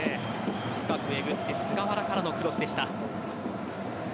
深くえぐって菅原からのクロスでした。